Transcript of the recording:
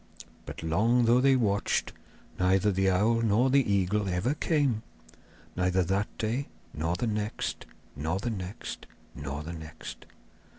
But long though they watched, neither the owl nor the eagle ever came; neither that day nor the next, nor the next, nor the next.